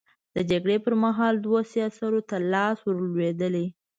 د جګړې پر مهال دوو سياسرو ته لاس ور لوېدلی.